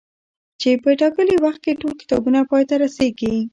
چي په ټاکلي وخت کي ټول کتابونه پاي ته رسيږي